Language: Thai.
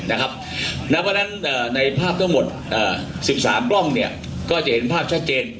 เพราะฉะนั้นในภาพทั้งหมด๑๓กล้องก็จะเห็นภาพชัดเจน